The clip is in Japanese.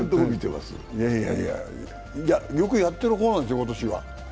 よくやってる方なんですよ今年は。